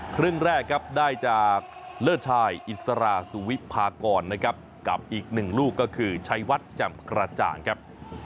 ครึ่งแรกครับได้จากเลิศชายอิสราสุวิพากรนะครับกับอีกหนึ่งลูกก็คือชัยวัดแจ่มกระจ่างครับ